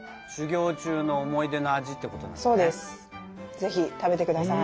ぜひ食べてください。